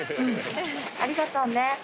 ありがとうね。